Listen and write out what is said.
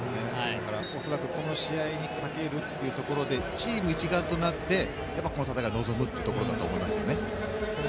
恐らくこの試合にかけるということでチーム一丸となってこの戦いに臨むというところだと思いますね。